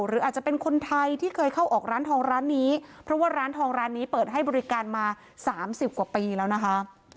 หรืออาจจะเป็นคนไทยที่เคยเข้าออกร้านทองร้านนี้เพราะว่าร้านทองร้านนี้เปิดให้บริการมาสามสิบกว่าปีแล้วนะคะ